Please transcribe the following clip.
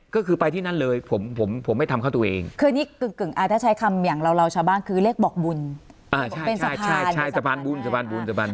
ก็คือไปที่นั่นเลยผมผมผมไม่ทำข้าวตัวเองคือนี่กึ่งกึ่งอ่าถ้าใช้คำอย่างเราเราชาวบ้างคือเรียกบอกบุญอ่าใช่ใช่ใช่ใช่สะพานบุญสะพานบุญสะพานบุญ